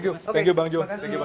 terima kasih bang jo